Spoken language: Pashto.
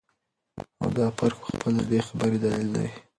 او دافرق په خپله ددي خبري دليل دى